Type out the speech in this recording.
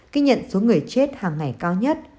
kinh nhận số người chết hàng ngày cao nhất